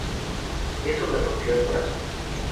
Eso me rompió el corazón".